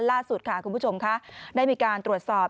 ล่าสุดค่ะคุณผู้ชมค่ะได้มีการตรวจสอบ